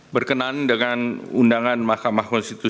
berkenan dengan undangan mahkamah konstitusi